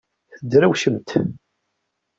Tedrewcemt?